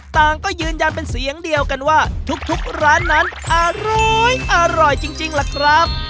ต่างก็ยืนยันเป็นเสียงเดียวกันว่าทุกร้านนั้นอร้อยอร่อยจริงล่ะครับ